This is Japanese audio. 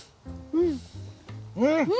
うん！